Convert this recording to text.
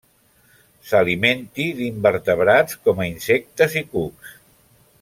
S'alimenti d'invertebrats, com a insectes i cucs.